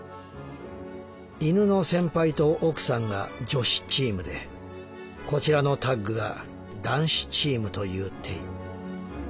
犬のセンパイとオクサンが『女子チーム』でこちらのタッグが『男子チーム』というテイ」。